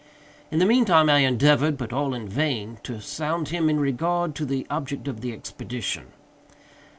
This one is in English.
In the mean time I endeavored, but all in vain, to sound him in regard to the object of the expedition.